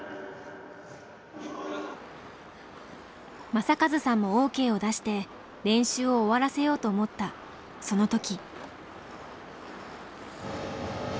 正和さんもＯＫを出して練習を終わらせようと思ったその時。